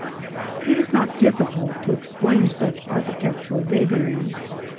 It is not difficult to explain such architectural vagaries.